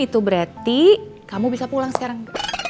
itu berarti kamu bisa pulang sekarang